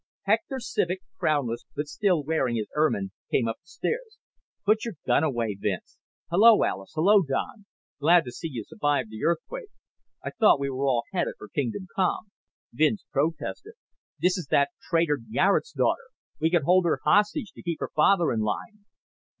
Hector Civek, crownless but still wearing his ermine, came up the stairs. "Put your gun away, Vince. Hello, Alis. Hello, Don. Glad to see you survived the earthquake. I thought we were all headed for kingdom come." Vincent protested, "This is that traitor Garet's daughter. We can hold her hostage to keep her father in line."